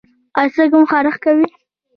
ایا سترګې مو خارښ کوي؟